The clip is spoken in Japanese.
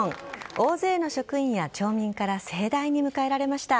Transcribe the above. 大勢の職員や町民から盛大に迎えられました。